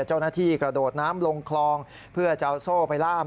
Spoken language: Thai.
เจ้าหน้าที่กระโดดน้ำลงคลองเพื่อจะเอาโซ่ไปล่าม